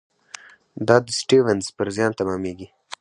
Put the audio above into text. دا د سټیونز پر زیان تمامېږي.